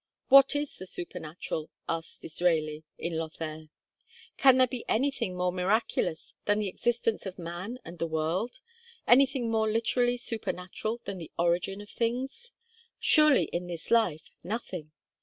'What is the supernatural?' asks Disraeli, in 'Lothair.' 'Can there be anything more miraculous than the existence of man and the world? anything more literally supernatural than the origin of things?' Surely, in this life, nothing!